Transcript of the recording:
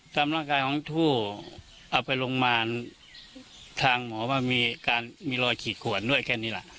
ตามร่างกายของทู่เอาไปโรงพยาบาลทางหมอว่ามีการมีรอยขีดขวนด้วยแค่นี้ล่ะ